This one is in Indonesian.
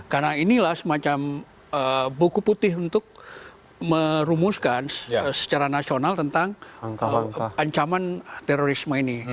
karena inilah semacam buku putih untuk merumuskan secara nasional tentang ancaman terorisme ini